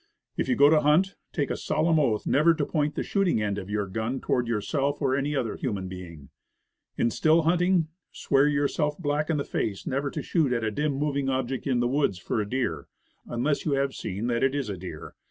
If you go to hunt, take a solemn oath never to point the shooting end of your gun toward yourself or any other human being. In still hunting, swear yourself black in the face never to shoot at a dim, moving object in the woods for a deer, unless you have seen that it is a deer.